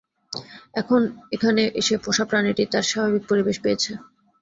এখন এখানে এসে পোষা প্রাণীটি তার স্বাভাবিক পরিবেশ পেয়েছে।